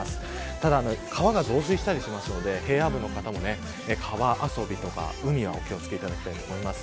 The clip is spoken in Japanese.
ただ、川が増水したりしますので平野部の方も川遊びとか海にはお気を付けいただきたいと思います。